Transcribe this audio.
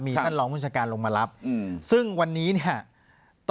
ท่านรองผู้จัดการลงมารับซึ่งวันนี้เนี่ย